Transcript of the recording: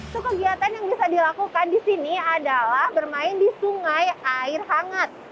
sekegiatan yang bisa dilakukan di sini adalah bermain di sungai air hangat